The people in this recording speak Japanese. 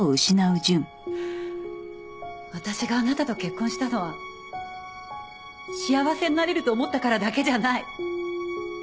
私があなたと結婚したのは幸せになれると思ったからだけじゃない。